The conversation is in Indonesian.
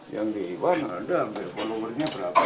yang di iwan ada hampir followernya berapa